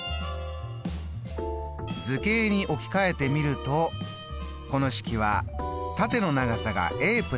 図形に置き換えてみるとこの式は縦の長さが＋